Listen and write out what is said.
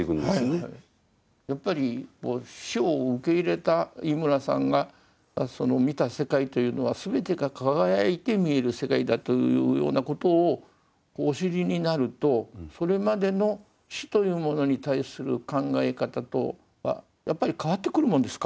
やっぱり死を受け入れた井村さんが見た世界というのは全てが輝いて見える世界だというようなことをお知りになるとそれまでの死というものに対する考え方とはやっぱり変わってくるもんですか。